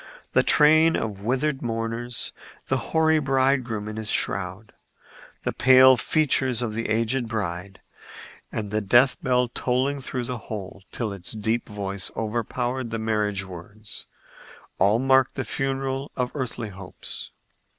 The train of withered mourners, the hoary bridegroom in his shroud, the pale features of the aged bride and the death bell tolling through the whole till its deep voice overpowered the marriage words,—all marked the funeral of earthly hopes.